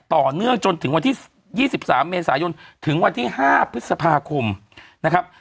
ต่อเนื่องจนถึงวันที่๒๓เมษายนถึงวันที่๕พฤษภาคมนะครับ